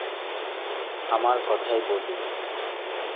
আমার কথাই বলি...